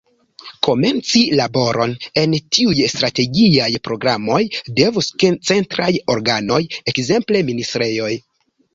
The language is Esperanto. Komenci laboron en tiuj strategiaj programoj devus centraj organoj, ekzemple ministrejoj.